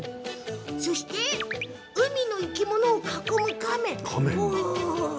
そして、海の生き物を囲む亀。